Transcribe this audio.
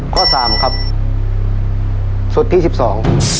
ข้อสามครับสุดที่สิบสอง